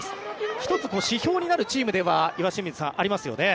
１つ指標になるチームではありますよね。